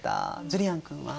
ジュリアン君は？